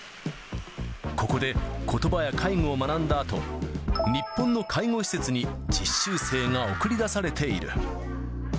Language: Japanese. ここでことばや介護を学んだあと、日本の介護施設に実習生が送り出されている。